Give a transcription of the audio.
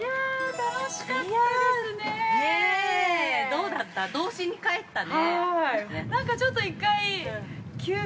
どうだった？